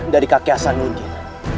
dari kakek asanudin